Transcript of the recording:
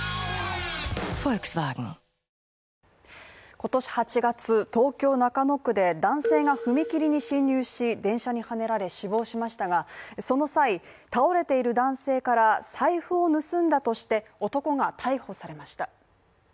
今年８月、東京中野区で男性が踏切に進入し電車にはねられ死亡しましたがその際、倒れている男性から財布を盗んだとして男が逮捕されました。